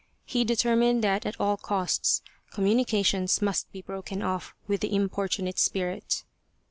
He deter mined that at all costs communications must be broken off with the importunate spirit.